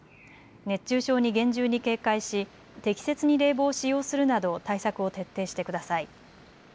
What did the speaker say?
熱中症に厳重に警戒し適切に冷房を使用するなど対策を徹底してください。